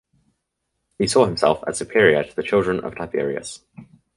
He saw himself as superior to the children of Tiberius.